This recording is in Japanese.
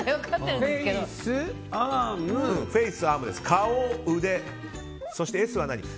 顔、腕、そしてＳは何か。